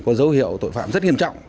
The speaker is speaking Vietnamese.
có dấu hiệu tội phạm rất nghiêm trọng